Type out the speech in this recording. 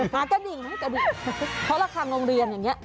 เพราะรักษางงเร็งอย่างนี้